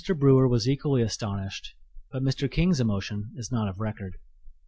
Brewer was equally astonished, but Mr. King's emotion is not of record.